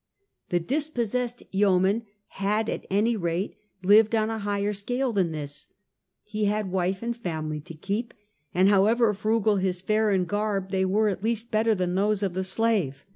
The dispossessed yeoman had, at any rate, lived on a higher scale than this ; he had wife and family to keep, and, how ever frugal his fare and garb, they were at least better than those of the slave.